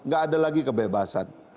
ga ada lagi kebebasan